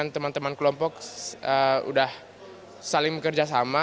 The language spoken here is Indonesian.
dan teman teman kelompok sudah saling bekerja sama